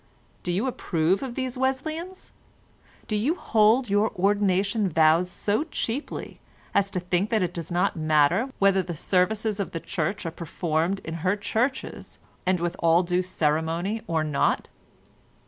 Do you approve of these Wesleyans? Do you hold your ordination vows so cheaply as to think that it does not matter whether the services of the Church are performed in her churches and with all due ceremony or not?